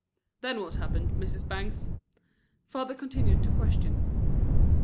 "Then what happened, Mrs. Bangs?" father continued to question.